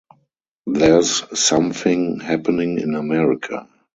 There’s something happening in America.